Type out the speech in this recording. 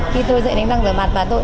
khi tôi dậy đánh răng rửa mặt và tôi